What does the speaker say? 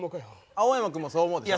青山君もそう思うでしょ？